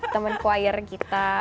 teman choir kita